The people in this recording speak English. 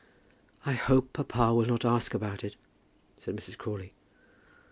"I hope papa will not ask about it," said Mrs. Crawley.